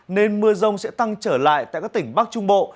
nên mưa rông sẽ tăng trở lại tại các tỉnh bắc trung bộ